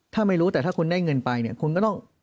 ถ้าไม่รู้แต่ถ้าคุณได้เงินไปเนี่ยคุณก็ต้อง